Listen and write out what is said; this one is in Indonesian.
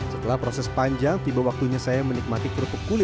setelah proses panjang tiba waktunya saya menikmati kondisi minyak dingin ini